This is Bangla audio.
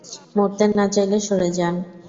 মরতে না চাইলে সরে যান!